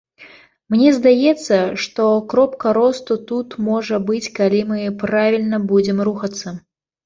Мне здаецца, што кропка росту тут можа быць, калі мы правільна будзем рухацца.